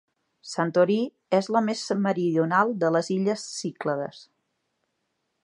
Santorí és la més meridional de les illes Cíclades.